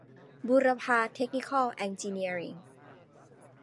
บูรพา เทคนิคอล เอ็นจิเนียริ่ง